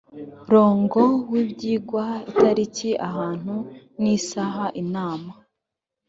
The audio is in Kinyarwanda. rongo w ibyigwa itariki ahantu n isaha inama